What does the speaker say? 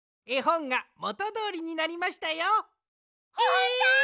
えほんがもとどおりになりましたよ。